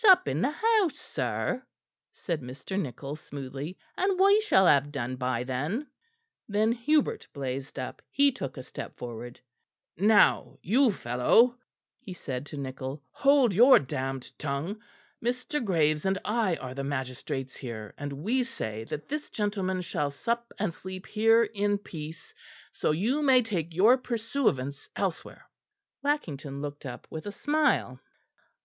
"Sup in the house, sir," said Mr. Nichol smoothly, "and we shall have done by then." Then Hubert blazed up; he took a step forward. "Now, you fellow," he said to Nichol, "hold your damned tongue. Mr. Graves and I are the magistrates here, and we say that this gentleman shall sup and sleep here in peace, so you may take your pursuivants elsewhere." Lackington looked up with a smile.